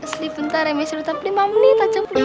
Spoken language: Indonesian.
sleep bentar ya misalnya udah lima menit aja